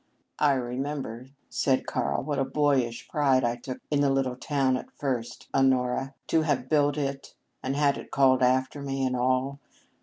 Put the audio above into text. "I remember," said Karl, "what a boyish pride I took in the little town at first, Honora, to have built it, and had it called after me and all.